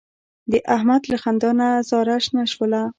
د احمد له خندا نه زاره شنه شوله.